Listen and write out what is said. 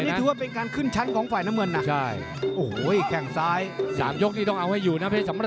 วันนี้ถือว่าเป็นการขึ้นชั้นของฝ่ายน้ำเงินน่ะ